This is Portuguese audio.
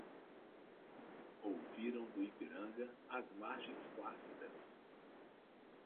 Ouviram do Ipiranga, às margens plácidas